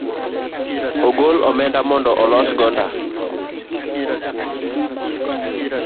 Ogol omenda mondo olos go nda